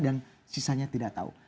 dan sisanya tidak tahu